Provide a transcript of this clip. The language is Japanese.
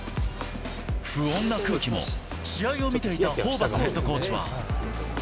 不穏な空気も、試合を見ていたホーバスヘッドコーチは。